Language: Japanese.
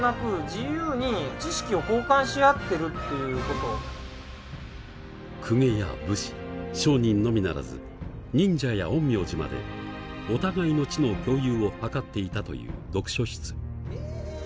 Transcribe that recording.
これもう公家や武士商人のみならず忍者や陰陽師までお互いの知の共有を図っていたという読書室。